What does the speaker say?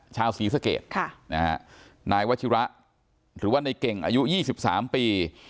ชาวศรีสะเกดค่ะนี่ฮะนายวะชิระหรือว่าในเก่งอายุยี่สิบสามปี